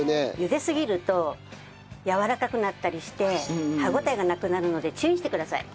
茹ですぎるとやわらかくなったりして歯応えがなくなるので注意してください。